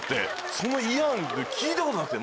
その「いやん」聞いたことなくて。